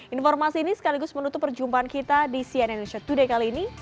informasi ini sekaligus menutup perjumpaan kita di cnn indonesia today kali ini